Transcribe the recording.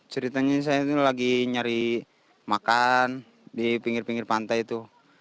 ceritanya saya itu lagi nyari makan di pinggir pinggir pantai itu